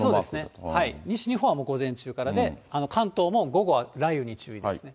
そうですね、西日本だと午前中からで、関東も午後は雷雨に注意ですね。